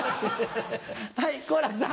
はい好楽さん。